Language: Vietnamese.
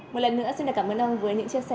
một lần nữa xin cảm ơn ông với những chia sẻ